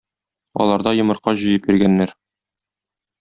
Аларда йомырка җыеп йөргәннәр.